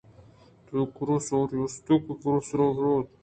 تئی کِرّا سواری است کہ برف ءِ سرءَبہ روت